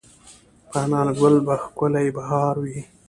په انارګل به ښکلی بهار وي